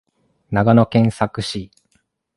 長野県佐久市